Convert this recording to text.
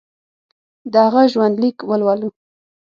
د هغه ژوندلیک ولولو.